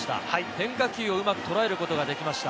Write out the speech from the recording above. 変化球をうまく捉えることができました。